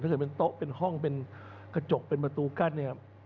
ถ้าเกิดเป็นโต๊ะเป็นห้องเป็นกระจกเป็นประตูกั้น